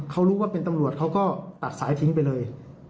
เขารู้ว่าเป็นตำรวจเขาก็ตัดสายทิ้งไปเลย